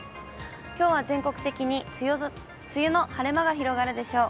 きょうは全国的に梅雨の晴れ間が広がるでしょう。